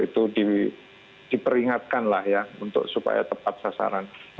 jadi ini adalah peringatan yang harus diberikan kepada pemerintah